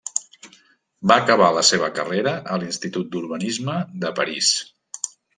Va acabar la seva carrera a l'Institut d'urbanisme de París.